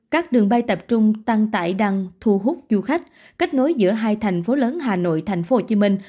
các đường bay tập trung tăng tải đăng thu hút du khách kết nối giữa hai thành phố lớn hà nội thành phố hồ chí minh